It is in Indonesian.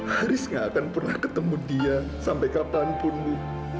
haris gak akan pernah ketemu dia sampai kapanpun bu